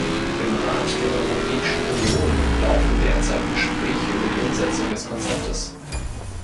Im Rat der Europäischen Union laufen derzeit Gespräche über die Umsetzung des Konzeptes.